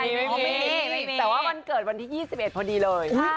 แต่ว่าวันเกิดวันที่ยี่สิบเอ็ดพอดีเลย